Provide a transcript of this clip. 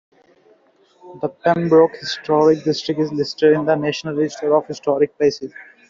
The Pembroke Historic District is listed in the National Register of Historic Places.